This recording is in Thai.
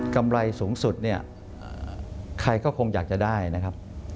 กำไรสูงสุดเนี่ยใครก็คงอยากจะได้นะครับ